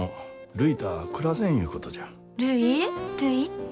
るい！